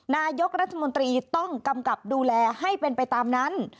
นายกรัฐมนตรีต้องกำกับดูแลให้เป็นไปตามนั้น